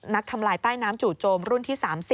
ทำลายใต้น้ำจู่โจมรุ่นที่๓๐